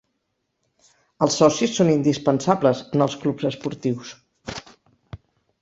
Els socis són indispensables en els clubs esportius.